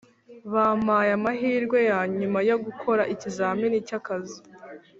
Bampaye amahirwe yanyuma yogukora ikizamini cyakazi